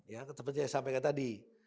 ya seperti yang saya sampaikan tadi